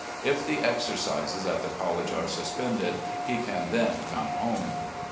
If the exercises at the college are suspended, he can then come home. .